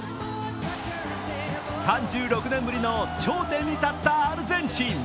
３６年ぶりの頂点に立ったアルゼンチン。